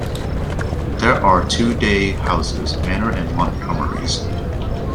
There are two day houses, Manor and Montgomery's.